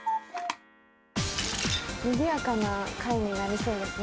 にぎやかな回になりそうですね。